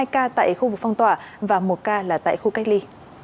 hai ca tại khu vực phong tỏa và một ca là tại khu cách ly